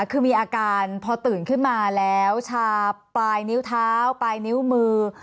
คือมีอาการพอตื่นขึ้นมาแล้วชาปลายนิ้วเท้าปลายนิ้วมือ